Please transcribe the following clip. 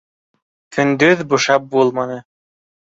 - Көндөҙ бушап булманы.